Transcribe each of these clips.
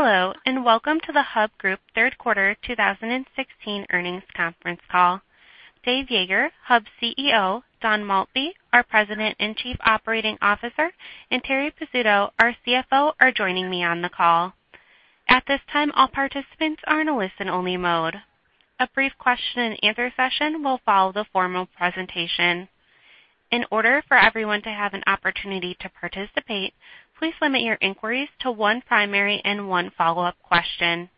Hello, and welcome to the Hub Group third quarter 2016 earnings conference call. Dave Yeager, Hub's CEO, Don Maltby, our President and Chief Operating Officer, and Terri Pizzuto, our CFO, are joining me on the call. At this time, all participants are in a listen-only mode. A brief question-and-answer session will follow the formal presentation. In order for everyone to have an opportunity to participate, please limit your inquiries to one primary and one follow-up question.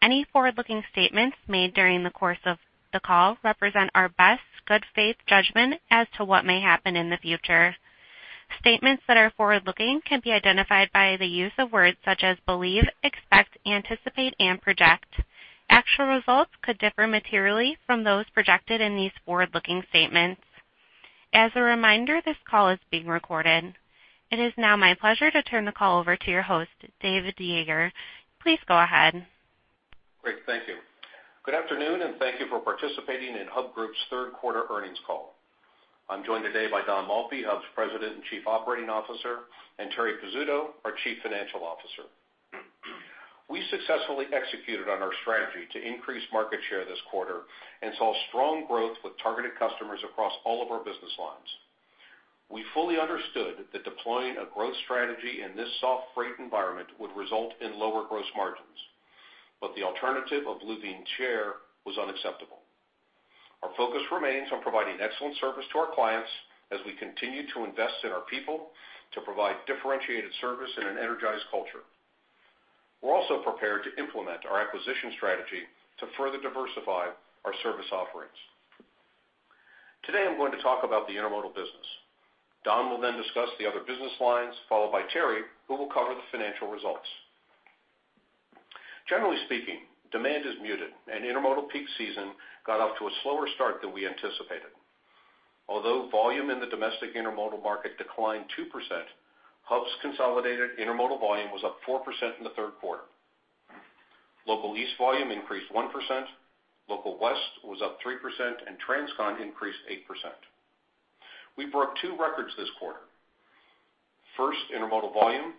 Any forward-looking statements made during the course of the call represent our best good faith judgment as to what may happen in the future. Statements that are forward-looking can be identified by the use of words such as believe, expect, anticipate, and project. Actual results could differ materially from those projected in these forward-looking statements. As a reminder, this call is being recorded. It is now my pleasure to turn the call over to your host, David Yeager. Please go ahead. Great, thank you. Good afternoon, and thank you for participating in Hub Group's third quarter earnings call. I'm joined today by Don Maltby, Hub's President and Chief Operating Officer, and Terri Pizzuto, our Chief Financial Officer. We successfully executed on our strategy to increase market share this quarter and saw strong growth with targeted customers across all of our business lines. We fully understood that deploying a growth strategy in this soft freight environment would result in lower gross margins, but the alternative of losing share was unacceptable. Our focus remains on providing excellent service to our clients as we continue to invest in our people to provide differentiated service and an energized culture. We're also prepared to implement our acquisition strategy to further diversify our service offerings. Today, I'm going to talk about the intermodal business. Don will then discuss the other business lines, followed by Terri, who will cover the financial results. Generally speaking, demand is muted, and intermodal peak season got off to a slower start than we anticipated. Although volume in the domestic intermodal market declined 2%, Hub's consolidated intermodal volume was up 4% in the third quarter. Local East volume increased 1%, Local West was up 3%, and Transcon increased 8%. We broke two records this quarter. First, intermodal volume.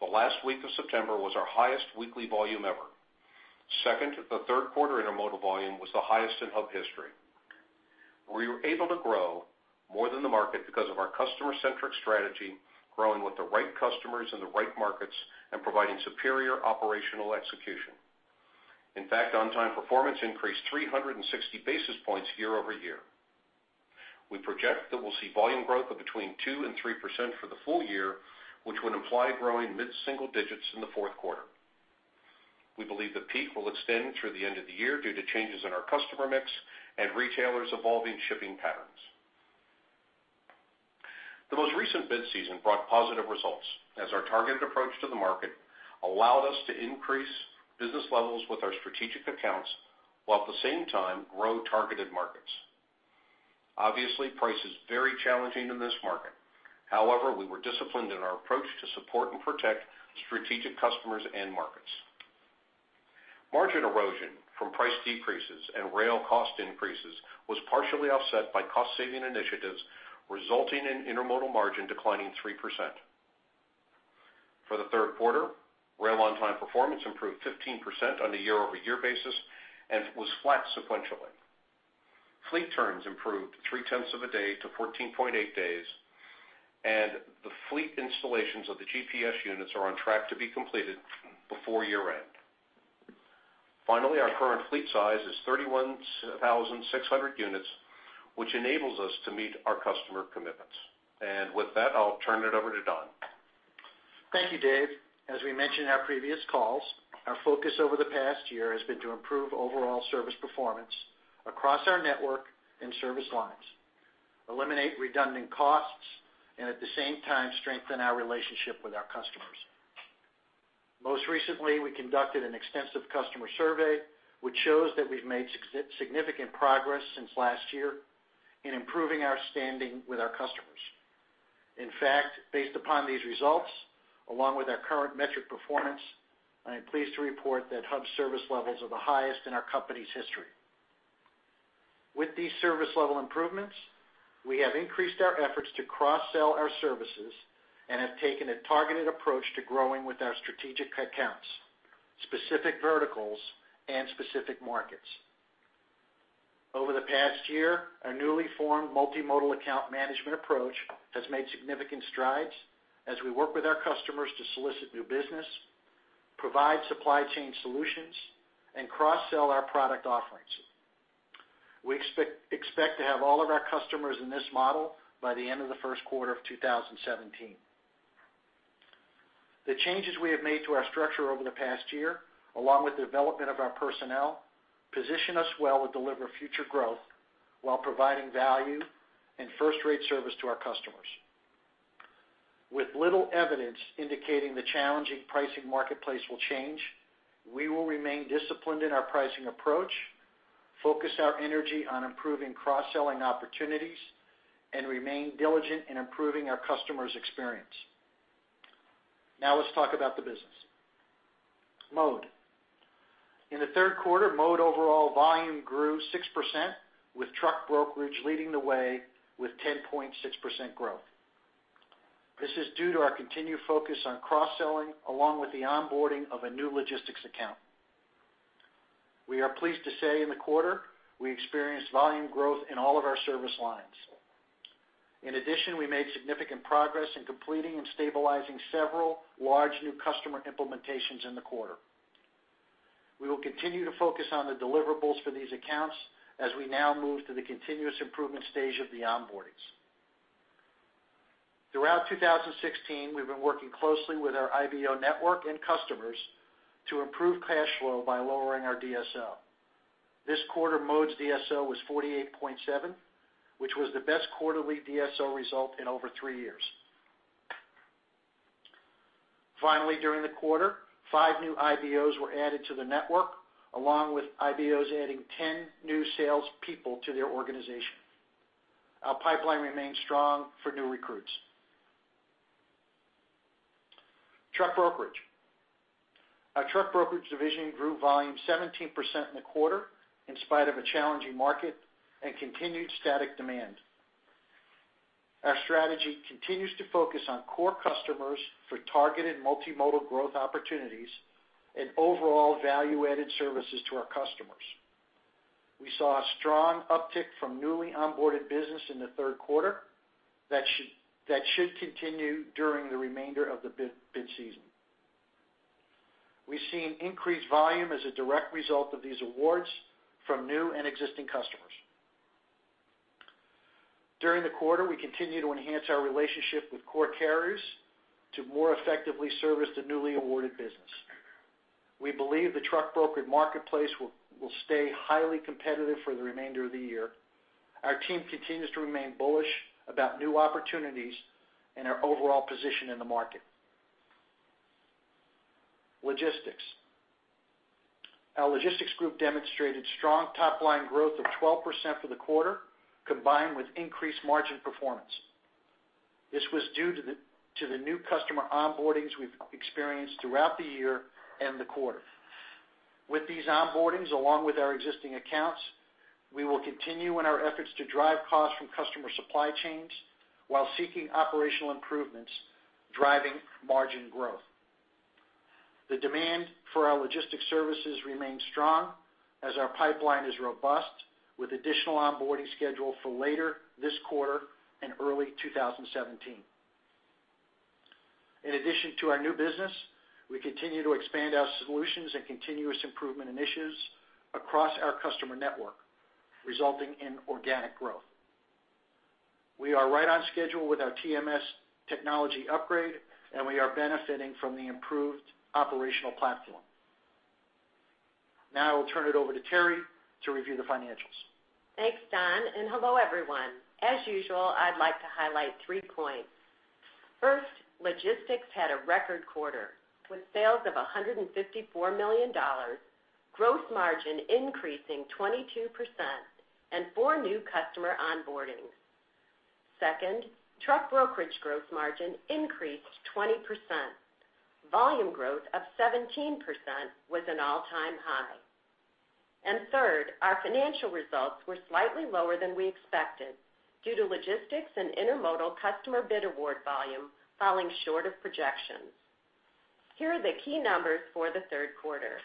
The last week of September was our highest weekly volume ever. Second, the third quarter intermodal volume was the highest in Hub history. We were able to grow more than the market because of our customer-centric strategy, growing with the right customers in the right markets and providing superior operational execution. In fact, on-time performance increased 360 basis points year-over-year. We project that we'll see volume growth of between 2% and 3% for the full year, which would imply growing mid-single digits in the fourth quarter. We believe the peak will extend through the end of the year due to changes in our customer mix and retailers' evolving shipping patterns. The most recent bid season brought positive results, as our targeted approach to the market allowed us to increase business levels with our strategic accounts, while at the same time grow targeted markets. Obviously, price is very challenging in this market. However, we were disciplined in our approach to support and protect strategic customers and markets. Margin erosion from price decreases and rail cost increases was partially offset by cost-saving initiatives, resulting in intermodal margin declining 3%. For the third quarter, rail on-time performance improved 15% on a year-over-year basis and was flat sequentially. Fleet turns improved 0.3 of a day to 14.8 days, and the fleet installations of the GPS units are on track to be completed before year-end. Finally, our current fleet size is 31,600 units, which enables us to meet our customer commitments. And with that, I'll turn it over to Don. Thank you, Dave. As we mentioned in our previous calls, our focus over the past year has been to improve overall service performance across our network and service lines, eliminate redundant costs, and at the same time, strengthen our relationship with our customers. Most recently, we conducted an extensive customer survey, which shows that we've made significant progress since last year in improving our standing with our customers. In fact, based upon these results, along with our current metric performance, I am pleased to report that Hub's service levels are the highest in our company's history. With these service level improvements, we have increased our efforts to cross-sell our services and have taken a targeted approach to growing with our strategic accounts, specific verticals, and specific markets. Over the past year, our newly formed multimodal account management approach has made significant strides as we work with our customers to solicit new business, provide supply chain solutions, and cross-sell our product offerings. We expect to have all of our customers in this model by the end of the first quarter of 2017. The changes we have made to our structure over the past year, along with the development of our personnel, position us well to deliver future growth while providing value and first-rate service to our customers. With little evidence indicating the challenging pricing marketplace will change, we will remain disciplined in our pricing approach, focus our energy on improving cross-selling opportunities, and remain diligent in improving our customers' experience. Now, let's talk about the business. In the third quarter, Mode overall volume grew 6%, with truck brokerage leading the way with 10.6% growth. This is due to our continued focus on cross-selling, along with the onboarding of a new logistics account. We are pleased to say, in the quarter, we experienced volume growth in all of our service lines. In addition, we made significant progress in completing and stabilizing several large new customer implementations in the quarter. We will continue to focus on the deliverables for these accounts as we now move to the continuous improvement stage of the onboardings. Throughout 2016, we've been working closely with our IBO network and customers to improve cash flow by lowering our DSO. This quarter, Mode's DSO was 48.7, which was the best quarterly DSO result in over three years. Finally, during the quarter, five new IBOs were added to the network, along with IBOs adding 10 new salespeople to their organization. Our pipeline remains strong for new recruits. Truck brokerage. Our truck brokerage division grew volume 17% in the quarter, in spite of a challenging market and continued static demand. Our strategy continues to focus on core customers for targeted multimodal growth opportunities and overall value-added services to our customers. We saw a strong uptick from newly onboarded business in the third quarter that should continue during the remainder of the bid season. We've seen increased volume as a direct result of these awards from new and existing customers. During the quarter, we continued to enhance our relationship with core carriers to more effectively service the newly awarded business. We believe the truck brokerage marketplace will stay highly competitive for the remainder of the year. Our team continues to remain bullish about new opportunities and our overall position in the market. Logistics. Our logistics group demonstrated strong top-line growth of 12% for the quarter, combined with increased margin performance. This was due to the new customer onboardings we've experienced throughout the year and the quarter. With these onboardings, along with our existing accounts, we will continue in our efforts to drive costs from customer supply chains while seeking operational improvements, driving margin growth. The demand for our logistics services remains strong as our pipeline is robust, with additional onboarding scheduled for later this quarter and early 2017. In addition to our new business, we continue to expand our solutions and continuous improvement initiatives across our customer network, resulting in organic growth. We are right on schedule with our TMS technology upgrade, and we are benefiting from the improved operational platform. Now I will turn it over to Terri to review the financials. Thanks, Don, and hello, everyone. As usual, I'd like to highlight three points. First, logistics had a record quarter, with sales of $154 million, growth margin increasing 22%, and four new customer onboardings. Second, truck brokerage growth margin increased 20%. Volume growth of 17% was an all-time high. And third, our financial results were slightly lower than we expected due to logistics and intermodal customer bid award volume falling short of projections. Here are the key numbers for the third quarter.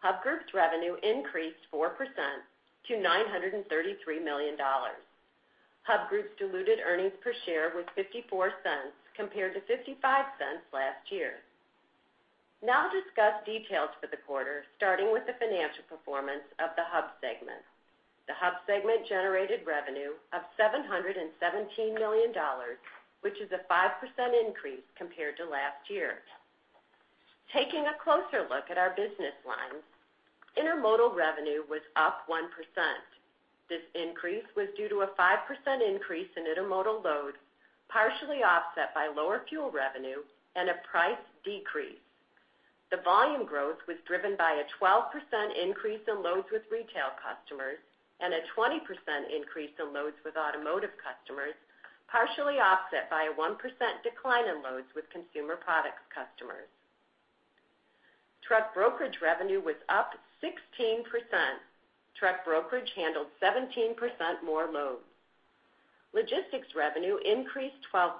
Hub Group's revenue increased 4% to $933 million. Hub Group's diluted earnings per share was $0.54, compared to $0.55 last year. Now I'll discuss details for the quarter, starting with the financial performance of the Hub segment. The Hub segment generated revenue of $717 million, which is a 5% increase compared to last year. Taking a closer look at our business lines, intermodal revenue was up 1%. This increase was due to a 5% increase in intermodal load, partially offset by lower fuel revenue and a price decrease. The volume growth was driven by a 12% increase in loads with retail customers and a 20% increase in loads with automotive customers, partially offset by a 1% decline in loads with consumer products customers. Truck brokerage revenue was up 16%. Truck brokerage handled 17% more loads. Logistics revenue increased 12%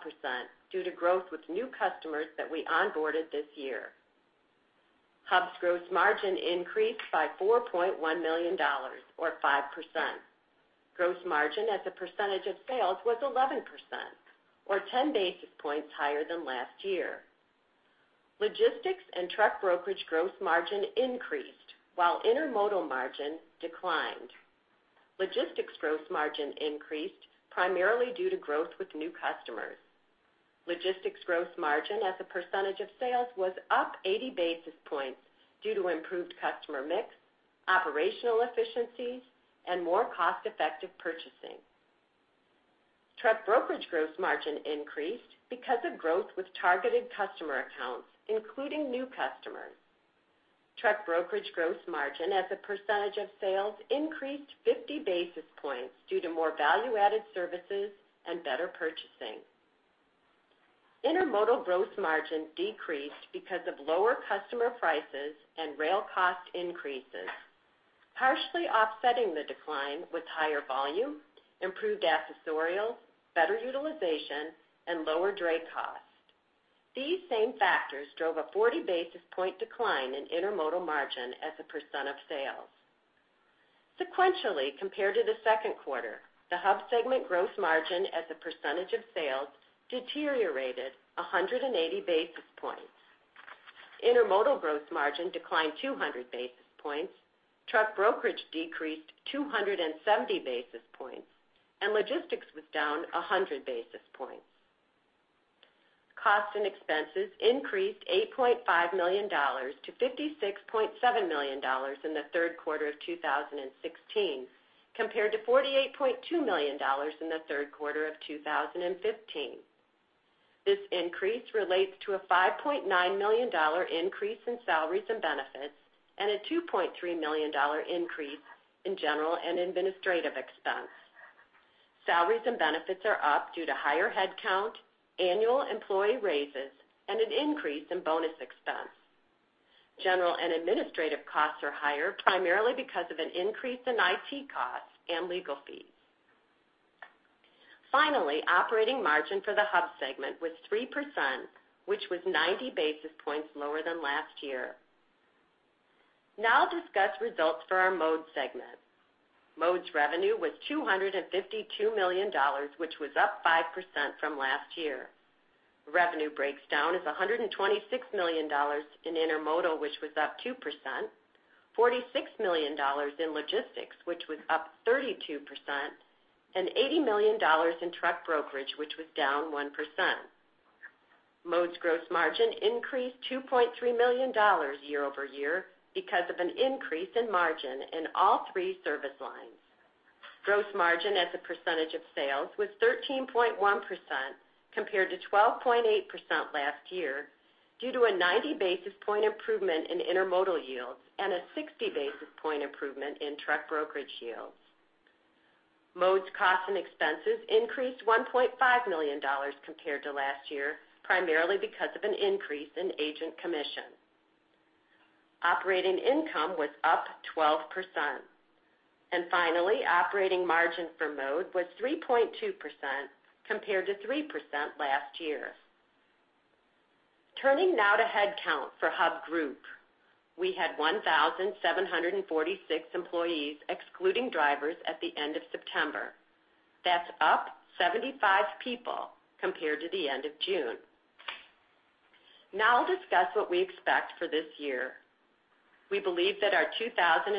due to growth with new customers that we onboarded this year. Hub's gross margin increased by $4.1 million, or 5%. Gross margin as a percentage of sales was 11%, or 10 basis points higher than last year. Logistics and truck brokerage gross margin increased, while intermodal margin declined. Logistics gross margin increased primarily due to growth with new customers. Logistics gross margin as a percentage of sales was up 80 basis points due to improved customer mix, operational efficiencies, and more cost-effective purchasing. Truck brokerage gross margin increased because of growth with targeted customer accounts, including new customers. Truck brokerage gross margin as a percentage of sales increased 50 basis points due to more value-added services and better purchasing.... Intermodal gross margin decreased because of lower customer prices and rail cost increases, partially offsetting the decline with higher volume, improved accessorial, better utilization, and lower dray costs. These same factors drove a 40 basis point decline in intermodal margin as a percent of sales. Sequentially, compared to the second quarter, the Hub segment gross margin as a percentage of sales deteriorated 180 basis points. Intermodal gross margin declined 200 basis points, truck brokerage decreased 270 basis points, and logistics was down 100 basis points. Costs and expenses increased $8.5 million to $56.7 million in the third quarter of 2016, compared to $48.2 million in the third quarter of 2015. This increase relates to a $5.9 million increase in salaries and benefits, and a $2.3 million increase in general and administrative expense. Salaries and benefits are up due to higher headcount, annual employee raises, and an increase in bonus expense. General and administrative costs are higher, primarily because of an increase in IT costs and legal fees. Finally, operating margin for the Hub segment was 3%, which was 90 basis points lower than last year. Now I'll discuss results for our Mode segment. Mode's revenue was $252 million, which was up 5% from last year. Revenue breaks down as $126 million in intermodal, which was up 2%, $46 million in logistics, which was up 32%, and $80 million in truck brokerage, which was down 1%. Mode's gross margin increased $2.3 million year-over-year because of an increase in margin in all three service lines. Gross margin as a percentage of sales was 13.1%, compared to 12.8% last year, due to a 90 basis point improvement in intermodal yields and a 60 basis point improvement in truck brokerage yields. Mode's costs and expenses increased $1.5 million compared to last year, primarily because of an increase in agent commission. Operating income was up 12%. And finally, operating margin for Mode was 3.2%, compared to 3% last year. Turning now to headcount for Hub Group. We had 1,746 employees, excluding drivers, at the end of September. That's up 75 people compared to the end of June. Now I'll discuss what we expect for this year. We believe that our 2016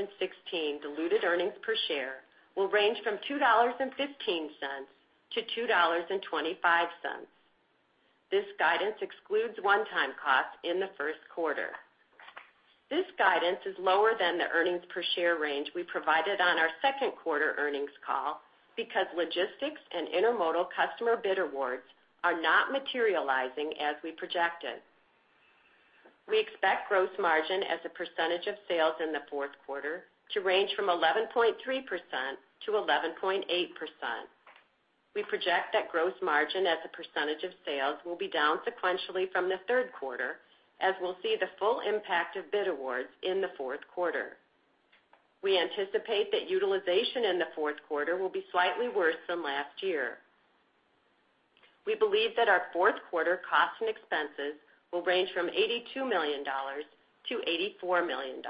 diluted earnings per share will range from $2.15-$2.25. This guidance excludes one-time costs in the first quarter. This guidance is lower than the earnings per share range we provided on our second quarter earnings call because logistics and intermodal customer bid awards are not materializing as we projected. We expect gross margin as a percentage of sales in the fourth quarter to range from 11.3%-11.8%. We project that gross margin as a percentage of sales will be down sequentially from the third quarter, as we'll see the full impact of bid awards in the fourth quarter. We anticipate that utilization in the fourth quarter will be slightly worse than last year. We believe that our fourth quarter costs and expenses will range from $82 million-$84 million.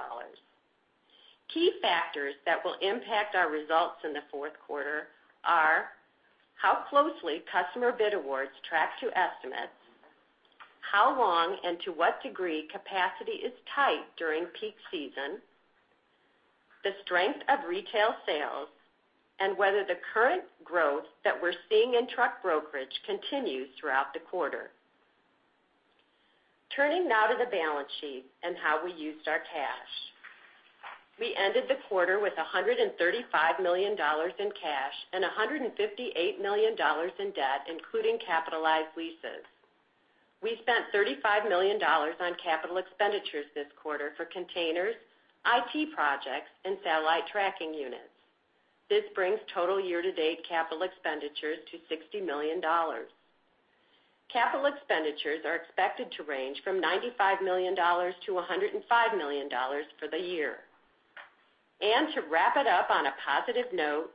Key factors that will impact our results in the fourth quarter are how closely customer bid awards track to estimates, how long and to what degree capacity is tight during peak season, the strength of retail sales, and whether the current growth that we're seeing in truck brokerage continues throughout the quarter. Turning now to the balance sheet and how we used our cash. We ended the quarter with $135 million in cash and $158 million in debt, including capitalized leases. We spent $35 million on capital expenditures this quarter for containers, IT projects, and satellite tracking units. This brings total year-to-date capital expenditures to $60 million. Capital expenditures are expected to range from $95 million to $105 million for the year. To wrap it up on a positive note,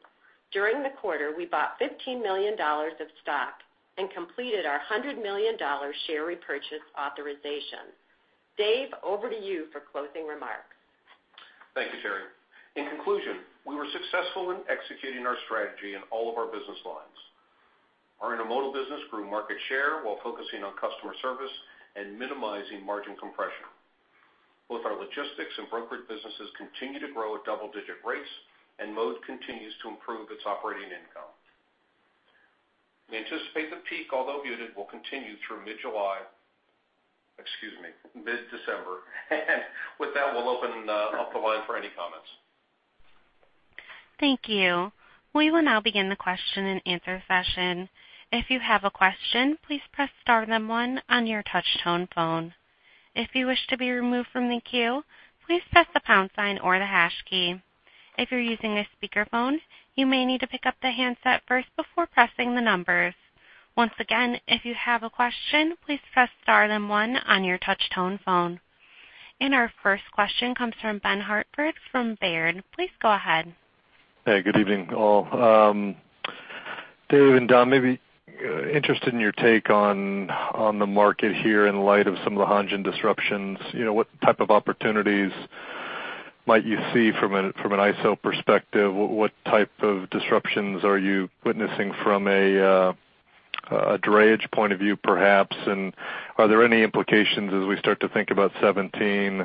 during the quarter, we bought $15 million of stock and completed our $100 million share repurchase authorization. Dave, over to you for closing remarks. Thank you, Terri. In conclusion, we were successful in executing our strategy in all of our business lines. Our Intermodal business grew market share while focusing on customer service and minimizing margin compression. Both our Logistics and Brokerage businesses continue to grow at double-digit rates, and Mode continues to improve its operating income. We anticipate the peak, although muted, will continue through mid-July, excuse me, mid-December. And with that, we'll open up the line for any comments. Thank you. We will now begin the question-and-answer session. If you have a question, please press star one on your touch-tone phone.... If you wish to be removed from the queue, please press the pound sign or the hash key. If you're using a speakerphone, you may need to pick up the handset first before pressing the numbers. Once again, if you have a question, please press star then one on your touch tone phone. Our first question comes from Ben Hartford from Baird. Please go ahead. Hey, good evening, all. Dave and Don, maybe interested in your take on the market here in light of some of the Hanjin disruptions. You know, what type of opportunities might you see from an ISO perspective? What type of disruptions are you witnessing from a drayage point of view, perhaps? And are there any implications as we start to think about 2017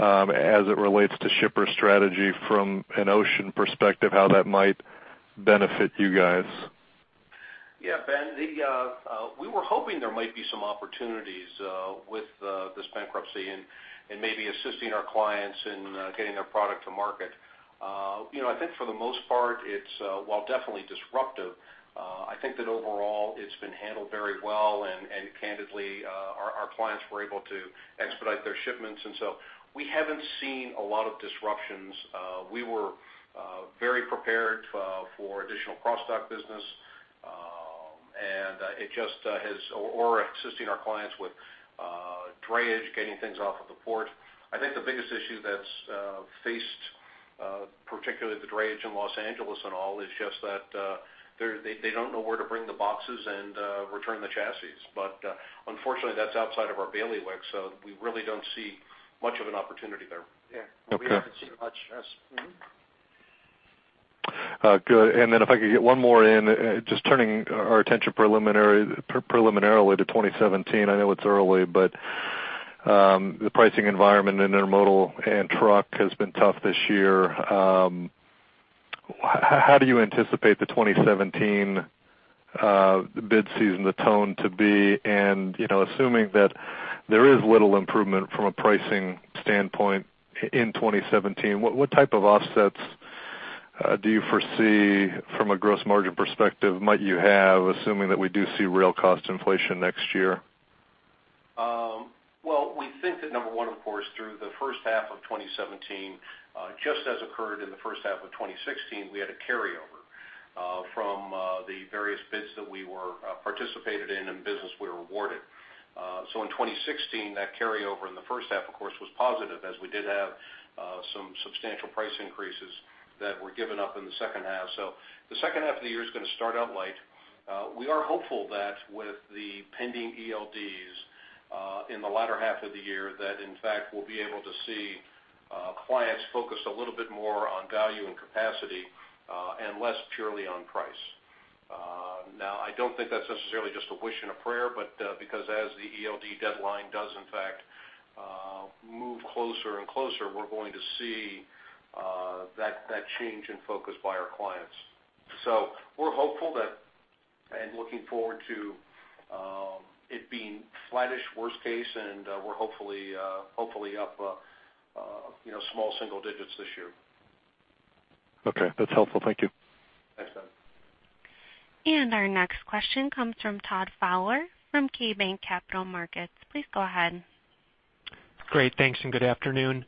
as it relates to shipper strategy from an ocean perspective, how that might benefit you guys? Yeah, Ben, we were hoping there might be some opportunities with this bankruptcy and maybe assisting our clients in getting their product to market. You know, I think for the most part, it's while definitely disruptive. I think that overall it's been handled very well, and candidly, our clients were able to expedite their shipments, and so we haven't seen a lot of disruptions. We were very prepared for additional cross-dock business. And it just has. Or assisting our clients with drayage, getting things off of the port. I think the biggest issue that's faced, particularly the drayage in Los Angeles and all, is just that they don't know where to bring the boxes and return the chassis. But, unfortunately, that's outside of our bailiwick, so we really don't see much of an opportunity there. Yeah. Okay. We haven't seen much, yes. Mm-hmm. Good. And then if I could get one more in, just turning our attention preliminarily to 2017. I know it's early, but the pricing environment in intermodal and truck has been tough this year. How do you anticipate the 2017 bid season, the tone to be? And, you know, assuming that there is little improvement from a pricing standpoint in 2017, what type of offsets do you foresee from a gross margin perspective might you have, assuming that we do see real cost inflation next year? Well, we think that number one, of course, through the first half of 2017, just as occurred in the first half of 2016, we had a carryover from the various bids that we were participated in and business we were awarded. So in 2016, that carryover in the first half, of course, was positive, as we did have some substantial price increases that were given up in the second half. So the second half of the year is going to start out light. We are hopeful that with the pending ELDs in the latter half of the year, that in fact, we'll be able to see clients focus a little bit more on value and capacity and less purely on price. Now, I don't think that's necessarily just a wish and a prayer, but, because as the ELD deadline does in fact move closer and closer, we're going to see that change in focus by our clients. So we're hopeful that, and looking forward to, it being flattish, worst case, and, we're hopefully up, you know, small single digits this year. Okay, that's helpful. Thank you. Thanks, Ben. Our next question comes from Todd Fowler from KeyBanc Capital Markets. Please go ahead. Great, thanks, and good afternoon.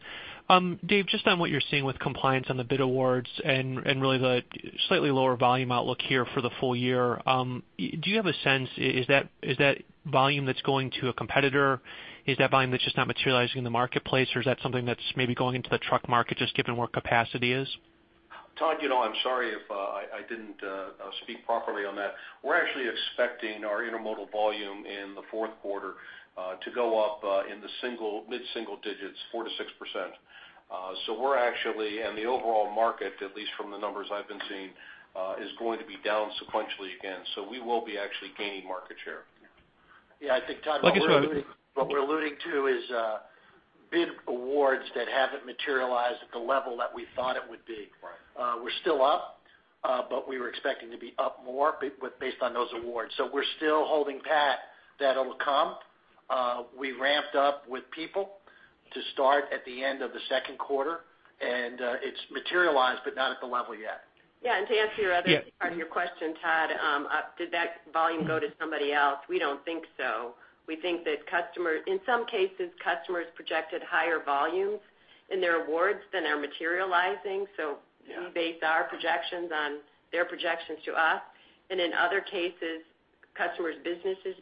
Dave, just on what you're seeing with compliance on the bid awards and really the slightly lower volume outlook here for the full year, do you have a sense, is that volume that's going to a competitor? Is that volume that's just not materializing in the marketplace, or is that something that's maybe going into the truck market, just given where capacity is? Todd, you know, I'm sorry if I didn't speak properly on that. We're actually expecting our intermodal volume in the fourth quarter to go up in the single, mid-single digits, 4%-6%. So we're actually, and the overall market, at least from the numbers I've been seeing, is going to be down sequentially again. So we will be actually gaining market share. Yeah, I think, Todd- Like you said-... What we're alluding to is, bid awards that haven't materialized at the level that we thought it would be. Right. We're still up, but we were expecting to be up more based on those awards. So we're still holding pat. That'll come. We ramped up with people to start at the end of the second quarter, and it's materialized, but not at the level yet. Yeah, and to answer your other- Yeah. Part of your question, Todd, did that volume go to somebody else? We don't think so. We think that customer, in some cases, customers projected higher volumes in their awards than are materializing. Yeah. So we base our projections on their projections to us. In other cases, customers' business is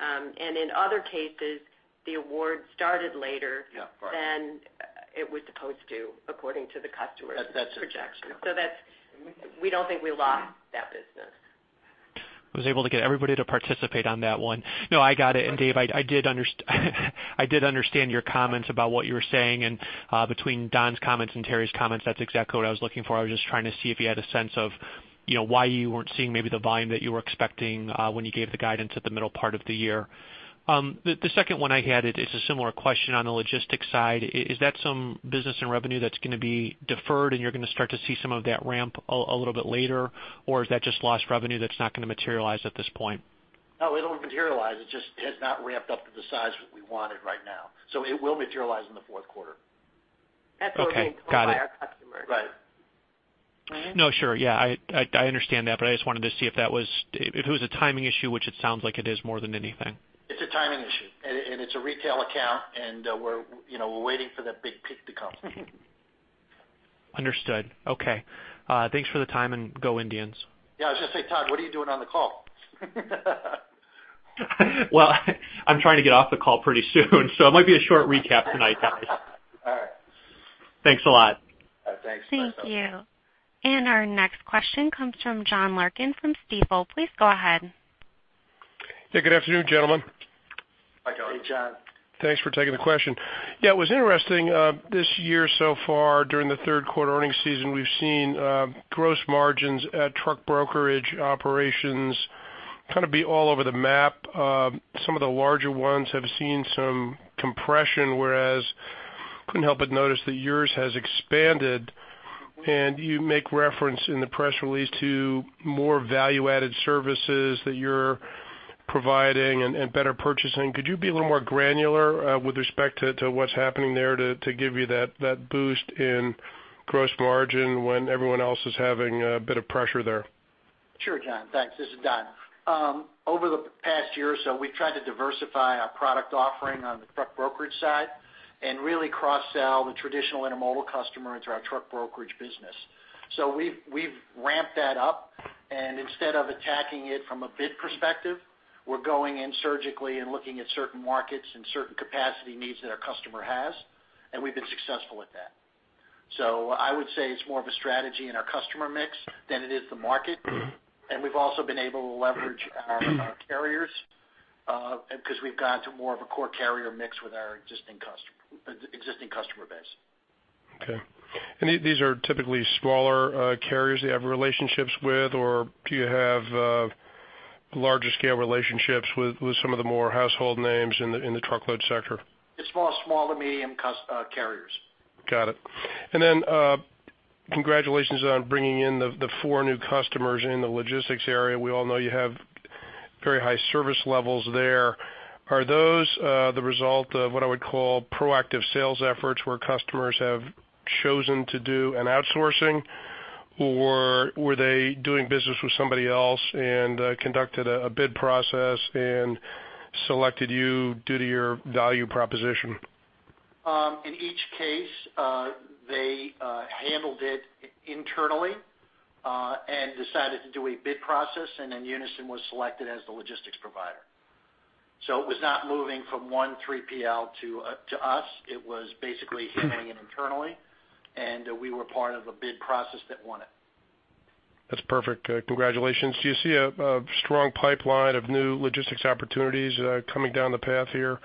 down. In other cases, the awards started later- Yeah, right. than it was supposed to, according to the customer's- That's it projection. So that's, we don't think we lost that business. I was able to get everybody to participate on that one. No, I got it. And Dave, I did understand your comments about what you were saying, and between Don's comments and Terri's comments, that's exactly what I was looking for. I was just trying to see if you had a sense of, you know, why you weren't seeing maybe the volume that you were expecting, when you gave the guidance at the middle part of the year. The second one I had, it's a similar question on the logistics side. Is that some business and revenue that's going to be deferred, and you're going to start to see some of that ramp a little bit later, or is that just lost revenue that's not going to materialize at this point? No, it'll materialize. It just has not ramped up to the size that we wanted right now. So it will materialize in the fourth quarter. That's what we- Okay, got it.... No, sure. Yeah, I understand that, but I just wanted to see if that was, if it was a timing issue, which it sounds like it is more than anything. It's a timing issue, and it's a retail account, and we're, you know, we're waiting for that big pick to come. Understood. Okay. Thanks for the time, and go Indians. Yeah, I was gonna say, Todd, what are you doing on the call? Well, I'm trying to get off the call pretty soon, so it might be a short recap tonight, guys. All right. Thanks a lot. Uh, thanks. Thank you. And our next question comes from John Larkin from Stifel. Please go ahead. Hey, good afternoon, gentlemen. Hi, John. Hey, John. Thanks for taking the question. Yeah, it was interesting, this year so far during the third quarter earnings season, we've seen, gross margins at truck brokerage operations kind of be all over the map. Some of the larger ones have seen some compression, whereas couldn't help but notice that yours has expanded. And you make reference in the press release to more value-added services that you're providing and, and better purchasing. Could you be a little more granular, with respect to, to what's happening there to, to give you that, that boost in gross margin when everyone else is having a bit of pressure there? Sure, John. Thanks. This is Don. Over the past year or so, we've tried to diversify our product offering on the truck brokerage side and really cross-sell the traditional intermodal customer into our truck brokerage business. So we've ramped that up, and instead of attacking it from a bid perspective, we're going in surgically and looking at certain markets and certain capacity needs that our customer has, and we've been successful at that. So I would say it's more of a strategy in our customer mix than it is the market. Mm-hmm. We've also been able to leverage our carriers because we've gone to more of a core carrier mix with our existing customer base. Okay. And these, these are typically smaller carriers you have relationships with, or do you have larger scale relationships with some of the more household names in the, in the truckload sector? It's more small to medium customers, carriers. Got it. And then, congratulations on bringing in the four new customers in the logistics area. We all know you have very high service levels there. Are those the result of what I would call proactive sales efforts, where customers have chosen to do an outsourcing, or were they doing business with somebody else and conducted a bid process and selected you due to your value proposition? In each case, they handled it internally and decided to do a bid process, and then Unyson was selected as the logistics provider. So it was not moving from one 3PL to us. It was basically handling it internally, and we were part of a bid process that won it. That's perfect. Congratulations. Do you see a strong pipeline of new logistics opportunities coming down the path here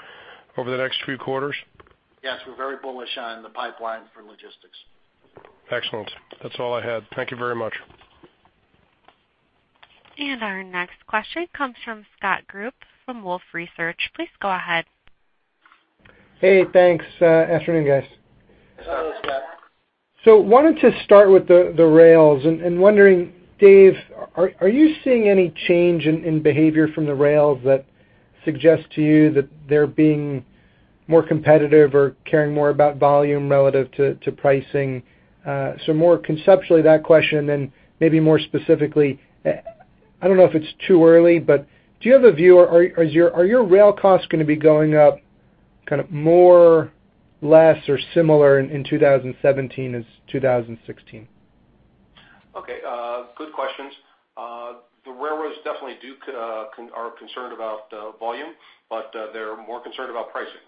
over the next few quarters? Yes, we're very bullish on the pipeline for logistics. Excellent. That's all I had. Thank you very much. Our next question comes from Scott Group from Wolfe Research. Please go ahead. Hey, thanks. Afternoon, guys. Hello, Scott. Hi. So wanted to start with the rails, and wondering, Dave, are you seeing any change in behavior from the rails that suggests to you that they're being more competitive or caring more about volume relative to pricing? So more conceptually, that question, and maybe more specifically, I don't know if it's too early, but do you have a view, or is your rail costs gonna be going up kind of more, less, or similar in 2017 as 2016? Okay, good questions. The railroads definitely do are concerned about volume, but they're more concerned about pricing.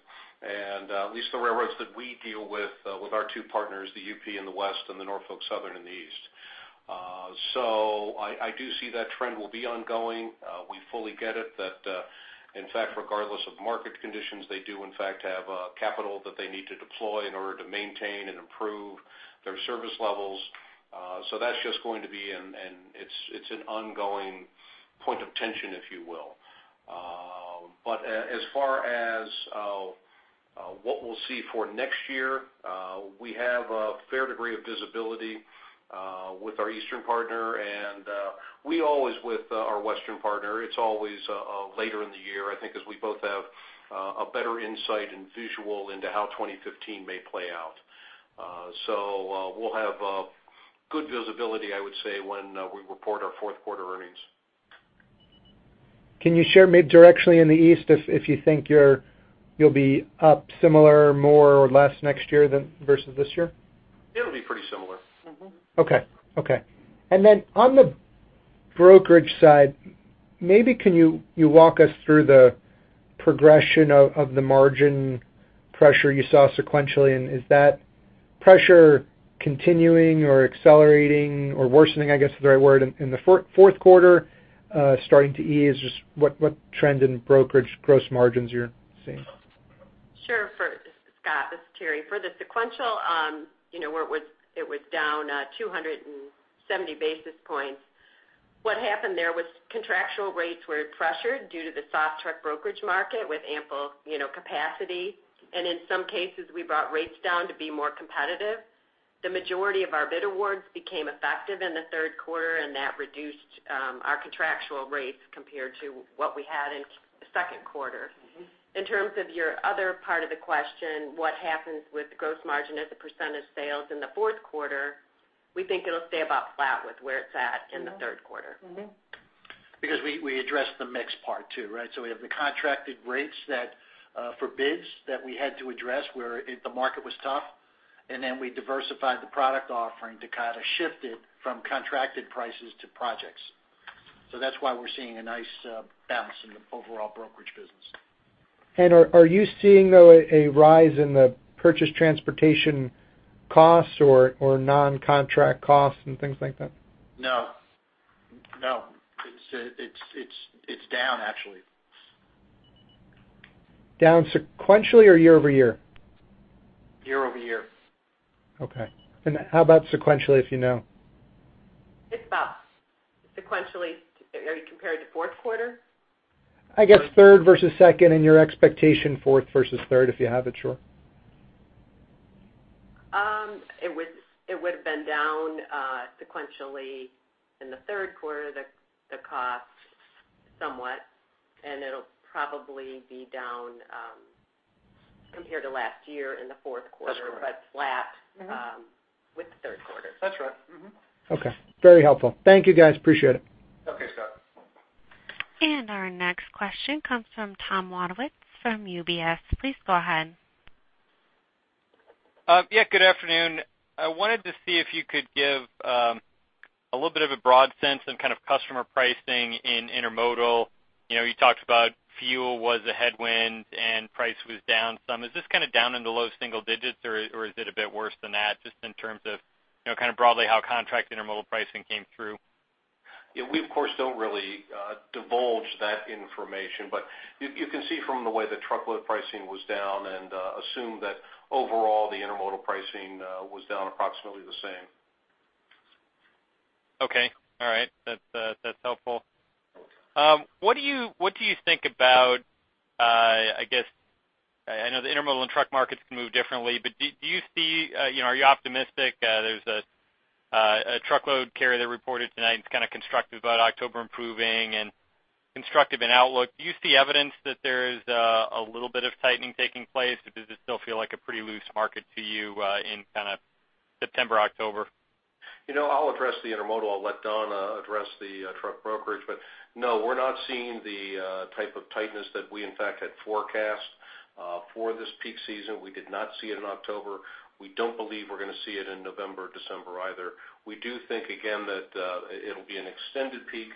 And at least the railroads that we deal with with our two partners, the UP in the West and the Norfolk Southern in the East. So I do see that trend will be ongoing. We fully get it that in fact, regardless of market conditions, they do in fact have capital that they need to deploy in order to maintain and improve their service levels. So that's just going to be an and it's an ongoing point of tension, if you will. But as far as what we'll see for next year, we have a fair degree of visibility with our eastern partner, and we always with our western partner, it's always later in the year, I think, as we both have a better insight and visibility into how 2015 may play out. So we'll have good visibility, I would say, when we report our fourth quarter earnings. Can you share maybe directly in the east, if you think you're, you'll be up similar, more or less next year than versus this year? It'll be pretty similar. Mm-hmm. Okay. Okay. And then on the brokerage side, maybe can you walk us through the progression of the margin pressure you saw sequentially, and is that pressure continuing or accelerating or worsening, I guess, is the right word, in the fourth quarter, starting to ease? Just what trend in brokerage gross margins you're seeing? Sure, Scott, this is Terri. For the sequential, you know, where it was, it was down 270 basis points. What happened there was contractual rates were pressured due to the soft truck brokerage market with ample, you know, capacity. And in some cases, we brought rates down to be more competitive. The majority of our bid awards became effective in the third quarter, and that reduced our contractual rates compared to what we had in the second quarter. Mm-hmm. In terms of your other part of the question, what happens with the Gross Margin as a percentage sales in the fourth quarter? We think it'll stay about flat with where it's at in the third quarter. Mm-hmm.... because we, we addressed the mix part too, right? So we have the contracted rates that, for bids that we had to address, where the market was tough, and then we diversified the product offering to kind of shift it from contracted prices to projects. So that's why we're seeing a nice, balance in the overall brokerage business. Are you seeing, though, a rise in the purchase transportation costs or non-contract costs and things like that? No. No, it's down, actually. Down sequentially or year-over-year? Year-over-year. Okay. And how about sequentially, if you know? It's about sequentially, are you compared to fourth quarter? I guess third versus second, and your expectation, fourth versus third, if you have it, sure. It would have been down sequentially in the third quarter, the cost somewhat, and it'll probably be down compared to last year in the fourth quarter- That's right. But flat with the third quarter. That's right. Mm-hmm. Okay. Very helpful. Thank you, guys. Appreciate it. Okay, Scott. Our next question comes from Tom Wadewitz, from UBS. Please go ahead. Yeah, good afternoon. I wanted to see if you could give a little bit of a broad sense on kind of customer pricing in intermodal. You know, you talked about fuel was a headwind and price was down some. Is this kind of down in the low single digits, or is it a bit worse than that, just in terms of, you know, kind of broadly how contract intermodal pricing came through? Yeah, we of course don't really divulge that information, but you can see from the way the truckload pricing was down and assume that overall the intermodal pricing was down approximately the same. Okay. All right. That's helpful. What do you think about, I guess, I know the intermodal and truck markets can move differently, but do you see... you know, are you optimistic? There's a truckload carrier that reported tonight, and it's kind of constructive about October improving and constructive in outlook. Do you see evidence that there is a little bit of tightening taking place, or does it still feel like a pretty loose market to you in kind of September, October? You know, I'll address the intermodal. I'll let Don address the truck brokerage. But no, we're not seeing the type of tightness that we, in fact, had forecast for this peak season. We did not see it in October. We don't believe we're going to see it in November or December either. We do think, again, that it'll be an extended peak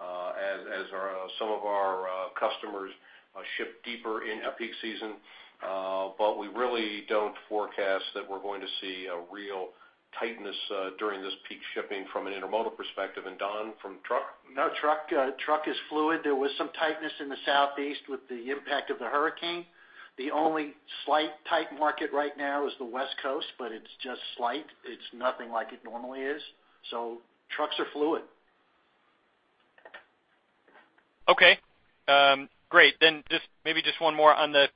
as some of our customers ship deeper in a peak season. But we really don't forecast that we're going to see a real tightness during this peak shipping from an intermodal perspective. And Don, from truck? No, truck, truck is fluid. There was some tightness in the Southeast with the impact of the hurricane. The only slight tight market right now is the West Coast, but it's just slight. It's nothing like it normally is, so trucks are fluid. Okay. Great. Then just maybe just one more on the,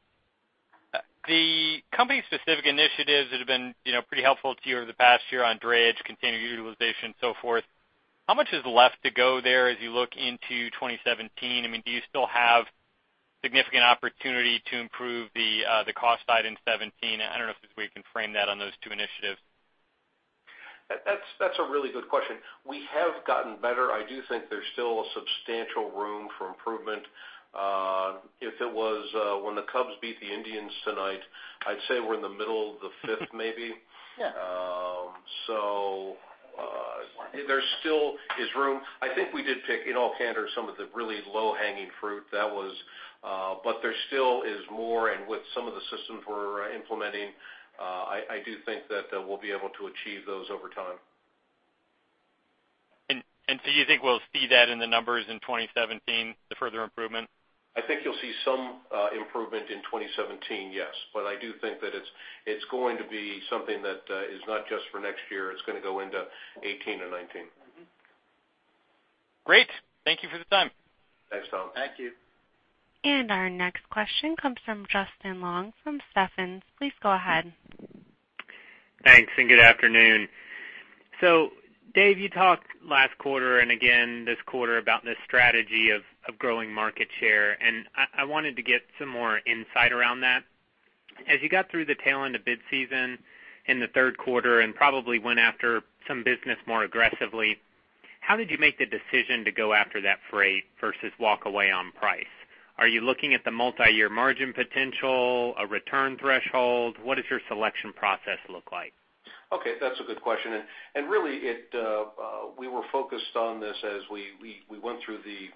the company-specific initiatives that have been, you know, pretty helpful to you over the past year on drayage, container utilization, and so forth. How much is left to go there as you look into 2017? I mean, do you still have significant opportunity to improve the, the cost side in 2017? I don't know if we can frame that on those two initiatives. That's, that's a really good question. We have gotten better. I do think there's still a substantial room for improvement. If it was when the Cubs beat the Indians tonight, I'd say we're in the middle of the fifth, maybe. Yeah. So, there still is room. I think we did pick, in all candor, some of the really low-hanging fruit that was. But there still is more, and with some of the systems we're implementing, I do think that we'll be able to achieve those over time. So you think we'll see that in the numbers in 2017, the further improvement? I think you'll see some improvement in 2017, yes. But I do think that it's going to be something that is not just for next year, it's going to go into 2018 and 2019. Mm-hmm. Great. Thank you for the time. Thanks, Tom. Thank you. Our next question comes from Justin Long, from Stephens. Please go ahead. Thanks, and good afternoon. So Dave, you talked last quarter and again this quarter about this strategy of, of growing market share, and I, I wanted to get some more insight around that. As you got through the tail end of bid season in the third quarter and probably went after some business more aggressively, how did you make the decision to go after that freight versus walk away on price? Are you looking at the multi-year margin potential, a return threshold? What does your selection process look like? Okay, that's a good question. And really, we were focused on this as we went through the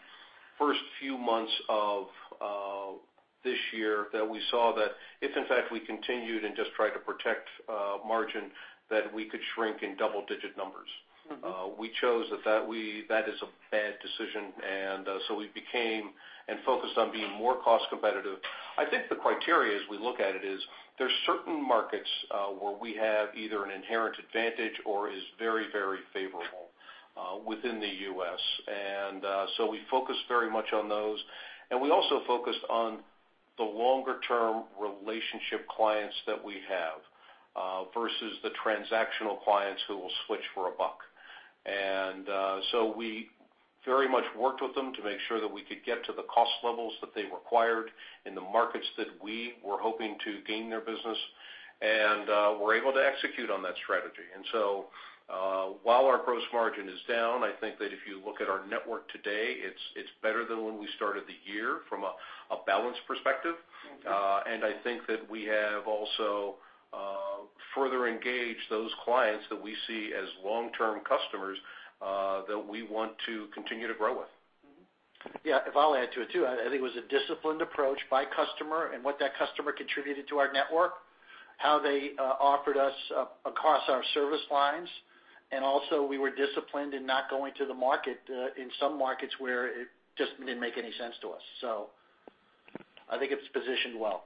first few months of this year, that we saw that if, in fact, we continued and just tried to protect margin, that we could shrink in double-digit numbers. Mm-hmm. We chose that. That is a bad decision, and so we became and focused on being more cost competitive. I think the criteria as we look at it is, there are certain markets where we have either an inherent advantage or is very, very favorable within the U.S.. And so we focus very much on those. And we also focused on the longer-term relationship clients that we have versus the transactional clients who will switch for a buck. And so we very much worked with them to make sure that we could get to the cost levels that they required in the markets that we were hoping to gain their business, and we're able to execute on that strategy. And so... While our Gross Margin is down, I think that if you look at our network today, it's better than when we started the year from a balance perspective. I think that we have also further engaged those clients that we see as long-term customers that we want to continue to grow with. Mm-hmm. Yeah, I'll add to it, too. I think it was a disciplined approach by customer and what that customer contributed to our network, how they offered us across our service lines. And also, we were disciplined in not going to the market in some markets where it just didn't make any sense to us. So I think it's positioned well.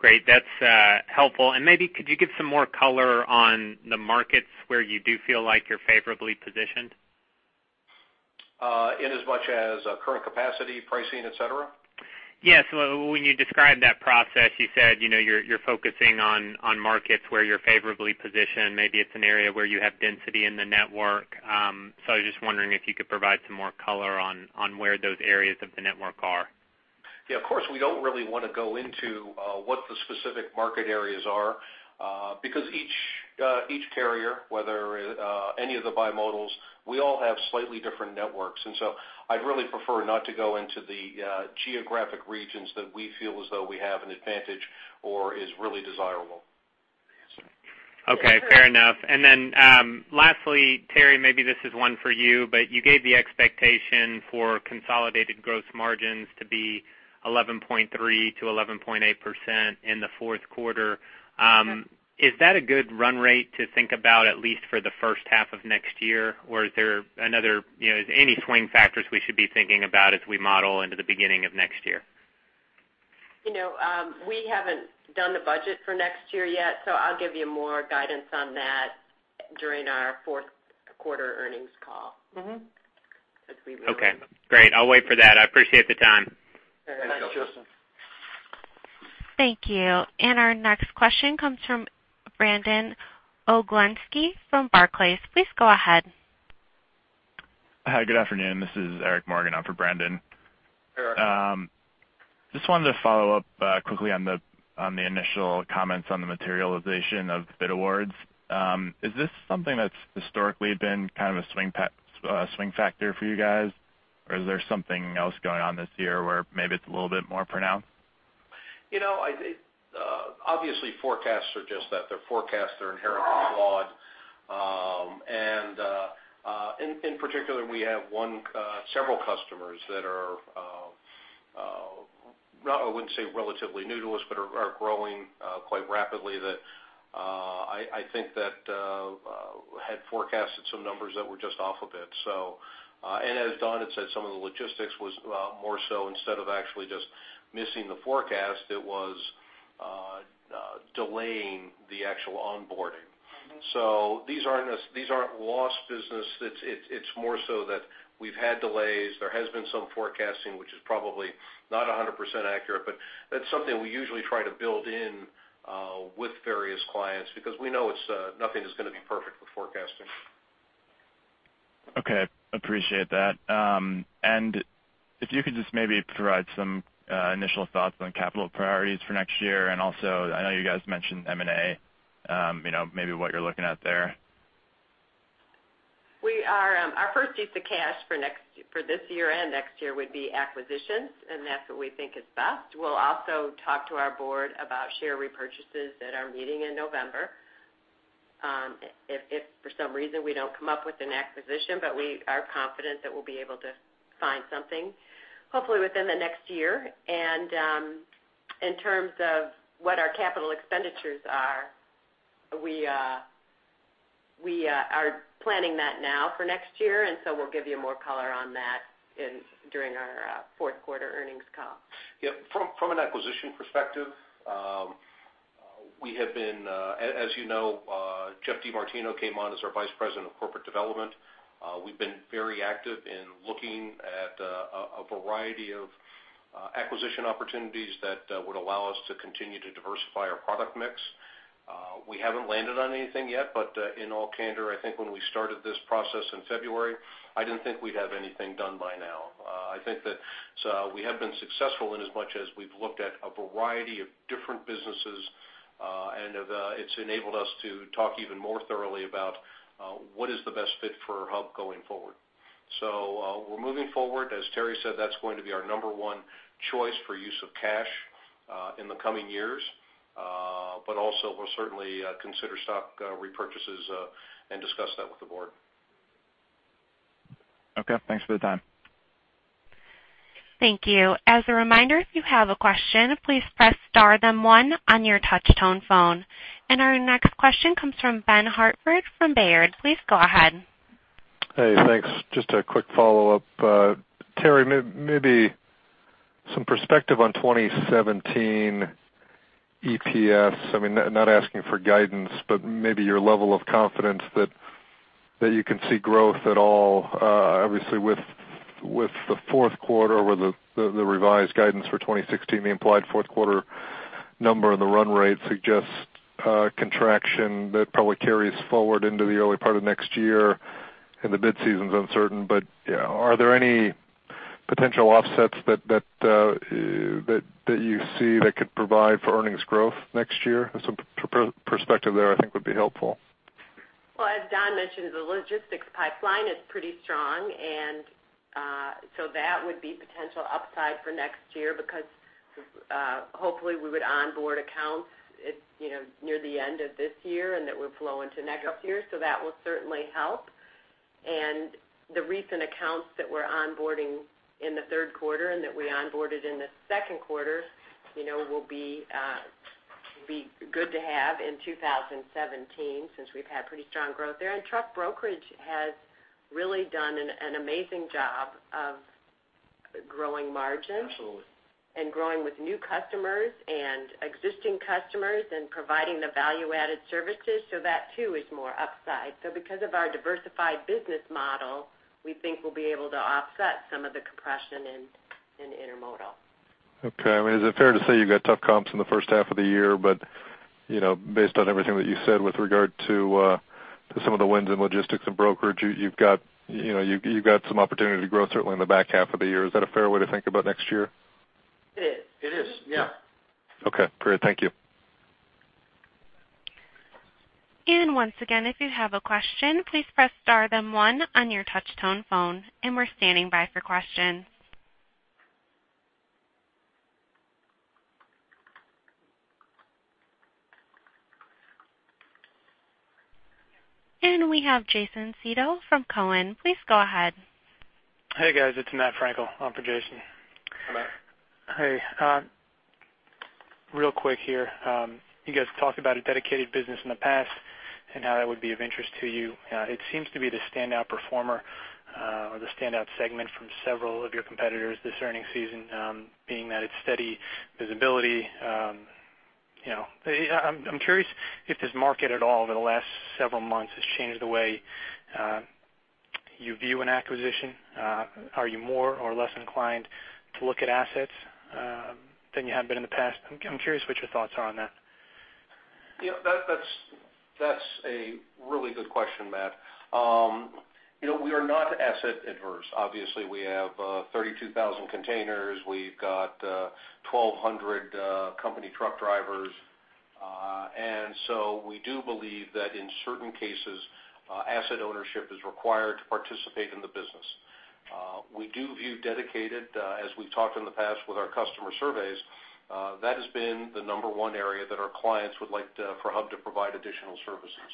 Great, that's helpful. Maybe could you give some more color on the markets where you do feel like you're favorably positioned? In as much as current capacity, pricing, et cetera? Yes. Well, when you described that process, you said, you know, you're focusing on markets where you're favorably positioned. Maybe it's an area where you have density in the network. So I was just wondering if you could provide some more color on where those areas of the network are. Yeah, of course, we don't really want to go into what the specific market areas are, because each carrier, whether any of the bimodals, we all have slightly different networks. And so I'd really prefer not to go into the geographic regions that we feel as though we have an advantage or is really desirable. Okay, fair enough. And then, lastly, Terri, maybe this is one for you, but you gave the expectation for consolidated gross margins to be 11.3%-11.8% in the fourth quarter. Is that a good run rate to think about, at least for the first half of next year? Or is there another, you know, any swing factors we should be thinking about as we model into the beginning of next year? You know, we haven't done the budget for next year yet, so I'll give you more guidance on that during our fourth quarter earnings call. Mm-hmm. Okay, great. I'll wait for that. I appreciate the time. Thanks, Justin. Thank you. And our next question comes from Brandon Oglenski from Barclays. Please go ahead. Hi, good afternoon. This is Eric Morgan on for Brandon. Eric. Just wanted to follow up quickly on the initial comments on the materialization of bid awards. Is this something that's historically been kind of a swing factor for you guys? Or is there something else going on this year where maybe it's a little bit more pronounced? You know, I obviously, forecasts are just that. They're forecasts, they're inherently flawed. In particular, we have one, several customers that are, well, I wouldn't say relatively new to us, but are growing quite rapidly that, I think that had forecasted some numbers that were just off a bit. As Don had said, some of the logistics was more so instead of actually just missing the forecast, it was delaying the actual onboarding. These aren't lost business. It's more so that we've had delays. There has been some forecasting, which is probably not 100% accurate, but that's something we usually try to build in with various clients because we know it's nothing is going to be perfect with forecasting. Okay, appreciate that. And if you could just maybe provide some initial thoughts on capital priorities for next year. And also, I know you guys mentioned M&A, you know, maybe what you're looking at there. We are, our first use of cash for next, for this year and next year would be acquisitions, and that's what we think is best. We'll also talk to our board about share repurchases at our meeting in November, if for some reason, we don't come up with an acquisition, but we are confident that we'll be able to find something, hopefully within the next year. In terms of what our capital expenditures are, we are planning that now for next year, and so we'll give you more color on that in, during our, fourth quarter earnings call. Yeah, from an acquisition perspective, we have been... As you know, Geoff DeMartino came on as our Vice President of Corporate Development. We've been very active in looking at a variety of acquisition opportunities that would allow us to continue to diversify our product mix. We haven't landed on anything yet, but in all candor, I think when we started this process in February, I didn't think we'd have anything done by now. I think that we have been successful in as much as we've looked at a variety of different businesses, and it's enabled us to talk even more thoroughly about what is the best fit for Hub going forward. So, we're moving forward. As Terri said, that's going to be our number one choice for use of cash, in the coming years. But also, we'll certainly consider stock repurchases and discuss that with the board. Okay, thanks for the time. Thank you. As a reminder, if you have a question, please press star then one on your touch tone phone. Our next question comes from Ben Hartford from Baird. Please go ahead. Hey, thanks. Just a quick follow-up. Terri, maybe some perspective on 2017 EPS. I mean, not asking for guidance, but maybe your level of confidence that you can see growth at all. Obviously, with the fourth quarter, with the revised guidance for 2016, the implied fourth quarter number and the run rate suggests a contraction that probably carries forward into the early part of next year, and the mid-season's uncertain. But, yeah, are there any potential offsets that you see that could provide for earnings growth next year? Some perspective there, I think, would be helpful. Well, as Don mentioned, the logistics pipeline is pretty strong, and so that would be potential upside for next year because, hopefully, we would onboard accounts, it, you know, near the end of this year, and that would flow into next year. So that will certainly help. And the recent accounts that we're onboarding in the third quarter and that we onboarded in the second quarter, you know, will be good to have in 2017, since we've had pretty strong growth there. And truck brokerage has really done an amazing job of growing margins- Absolutely. And growing with new customers and existing customers and providing the value-added services, so that, too, is more upside. So because of our diversified business model, we think we'll be able to offset some of the compression in intermodal. Okay. I mean, is it fair to say you've got tough comps in the first half of the year, but, you know, based on everything that you said with regard to, to some of the wins in logistics and brokerage, you, you've got, you know, you, you've got some opportunity to grow, certainly in the back half of the year. Is that a fair way to think about next year? It is. It is, yeah. Okay, great. Thank you. Once again, if you have a question, please press star then one on your touch tone phone. We're standing by for questions. We have Jason Seidl from Cowen. Please go ahead. Hey, guys. It's Matthew Elkott on for Jason. Hi, Matt. Hey, real quick here. You guys talked about a dedicated business in the past and how that would be of interest to you. It seems to be the standout performer, or the standout segment from several of your competitors this earnings season, being that it's steady visibility. You know, I'm curious if this market at all, over the last several months, has changed the way you view an acquisition. Are you more or less inclined to look at assets than you had been in the past? I'm curious what your thoughts are on that. Yeah, that's, that's a really good question, Matt. You know, we are not asset adverse. Obviously, we have 32,000 containers. We've got 1,200 company truck drivers. And so we do believe that in certain cases, asset ownership is required to participate in the business. We do view dedicated, as we've talked in the past with our customer surveys, that has been the number one area that our clients would like to for Hub to provide additional services.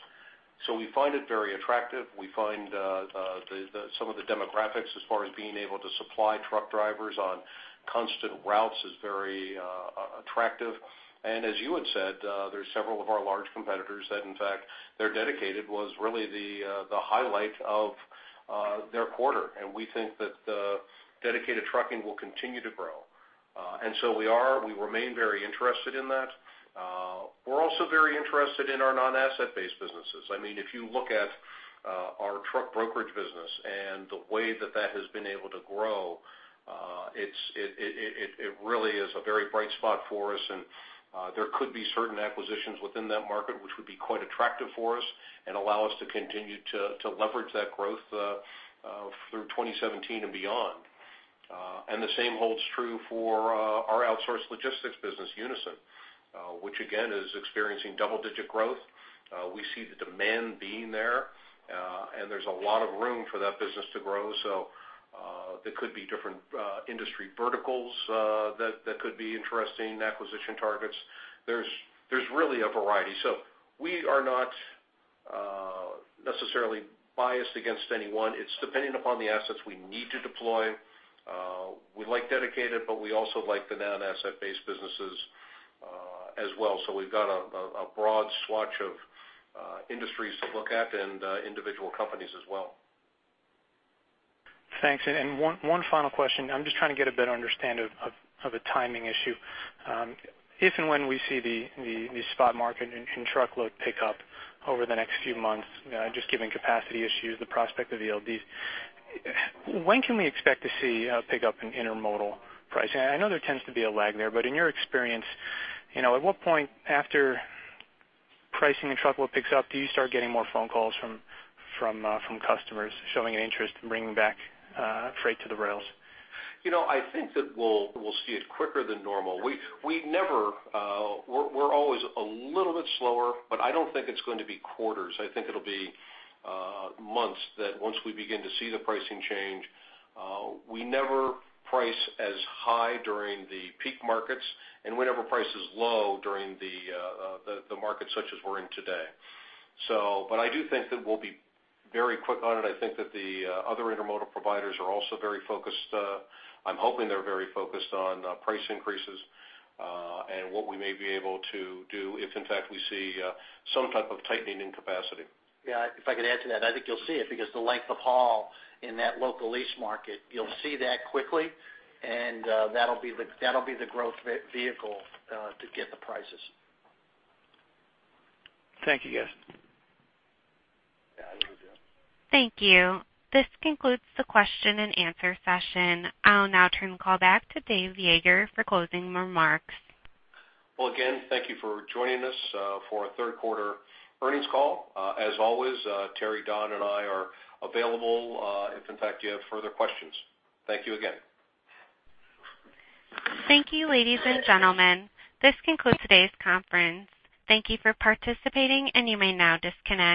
So we find it very attractive. We find the some of the demographics as far as being able to supply truck drivers on constant routes is very attractive. And as you had said, there's several of our large competitors that, in fact, their dedicated was really the highlight of their quarter. And we think that the dedicated trucking will continue to grow. And so we are, we remain very interested in that. We're also very interested in our non-asset-based businesses. I mean, if you look at our truck brokerage business and the way that that has been able to grow, it really is a very bright spot for us, and there could be certain acquisitions within that market, which would be quite attractive for us and allow us to continue to leverage that growth through 2017 and beyond. And the same holds true for our outsource logistics business, Unyson, which again, is experiencing double-digit growth. We see the demand being there, and there's a lot of room for that business to grow. So, there could be different industry verticals that could be interesting acquisition targets. There's really a variety. So we are not necessarily biased against anyone. It's depending upon the assets we need to deploy. We like dedicated, but we also like the non-asset-based businesses as well. So we've got a broad swath of industries to look at and individual companies as well. Thanks. One final question. I'm just trying to get a better understanding of a timing issue. If and when we see the spot market in truckload pick up over the next few months, just given capacity issues, the prospect of ELDs, when can we expect to see a pick up in intermodal pricing? I know there tends to be a lag there, but in your experience, you know, at what point after pricing and truckload picks up, do you start getting more phone calls from customers showing an interest in bringing back freight to the rails? You know, I think that we'll see it quicker than normal. We never, we're always a little bit slower, but I don't think it's going to be quarters. I think it'll be months, that once we begin to see the pricing change, we never price as high during the peak markets and we never price as low during the market such as we're in today. So but I do think that we'll be very quick on it. I think that the other intermodal providers are also very focused. I'm hoping they're very focused on price increases and what we may be able to do if, in fact, we see some type of tightening in capacity. Yeah, if I could add to that, I think you'll see it because the length of haul in that Local East market, you'll see that quickly, and, that'll be the, that'll be the growth vehicle to get the prices. Thank you, guys. Yeah, you're good. Thank you. This concludes the question and answer session. I'll now turn the call back to Dave Yeager for closing remarks. Well, again, thank you for joining us for our third quarter earnings call. As always, Terri, Don, and I are available if, in fact, you have further questions. Thank you again. Thank you, ladies and gentlemen. This concludes today's conference. Thank you for participating, and you may now disconnect.